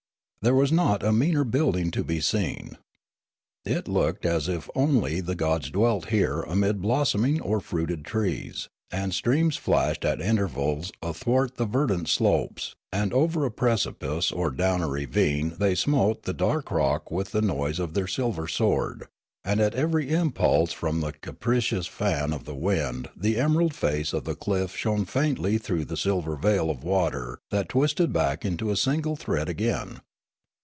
There was not a meaner building to be seen. It looked as if only the gods dwelt here amid blossoming or fruited trees; and streams flashed at intervals athwart the verdant slopes ; and over a precipice or down a ravine they smote the dark rock with the noise of their silver sword ; and at every impulse from the capricious fan of the wind the emerald face of the cliff shone faintly through the silver veil of water that twisted back into a single thread again.